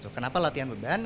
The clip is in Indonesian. kenapa latihan beban